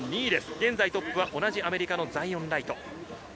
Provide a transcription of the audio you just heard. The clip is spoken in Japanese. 現在、トップはアメリカのザイオン・ライト。